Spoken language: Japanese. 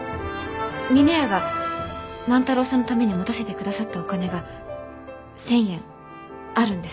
峰屋が万太郎さんのために持たせてくださったお金が１，０００円あるんです。